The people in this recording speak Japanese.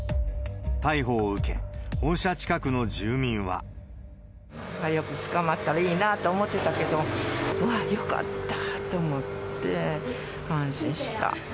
逮捕を受け、早く捕まったらいいなと思ってたけど、わっ、よかったと思って、安心した。